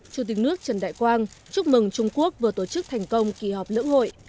chủ tịch nước trần đại quang chúc mừng trung quốc vừa tổ chức thành công kỳ họp lưỡng hội